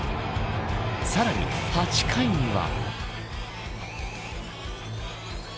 さらに、８回には。